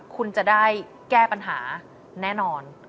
คุณจะได้แก้ปัญหาแน่นอน